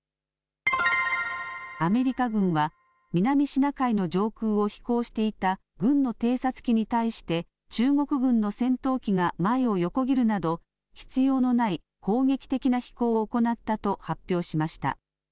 アメリカ軍は、南シナ海の上空を飛行していた軍の偵察機に対して、中国軍の戦闘機が前を横切るなど、必要のない攻撃的な飛行を行ったと発表しました。